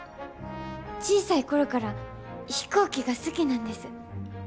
小さい頃から飛行機が好きなんです。